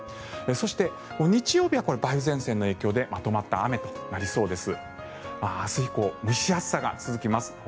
そして、日曜日は梅雨前線の影響でまとまった雨となりそうです。